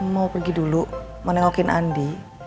mau pergi dulu mau nengokin andi